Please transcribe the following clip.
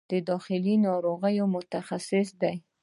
د داخله ناروغیو متخصص دی